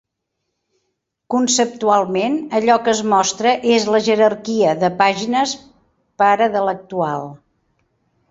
Conceptualment, allò que es mostra és la jerarquia de pàgines pare de l'actual.